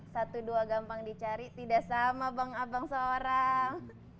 satu dua gampang dicari tidak sama bang abang seorang